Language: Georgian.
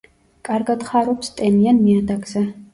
კარგად ხარობს ტენიან ნიადაგზე.